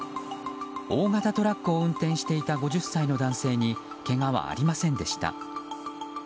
大型トラックを運転していた５０歳の男性にけがはありませんでした。